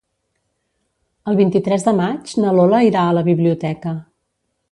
El vint-i-tres de maig na Lola irà a la biblioteca.